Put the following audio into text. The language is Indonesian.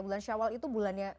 bulan syawal itu bulannya